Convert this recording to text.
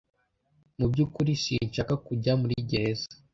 Mu byukuri sinshaka kujya muri gereza